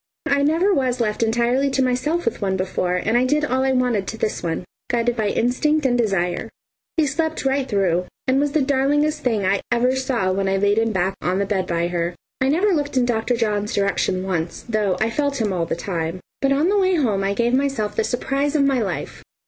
I never was left entirely to myself with one before, and I did all I wanted to this one, guided by instinct and desire. He slept right through and was the darlingest thing I ever saw when I laid him back on the bed by her. I never looked in Dr. John's direction once, though I felt him all the time. But on the way home I gave myself the surprise of my life!